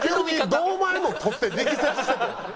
堂前のを取って力説してたよ。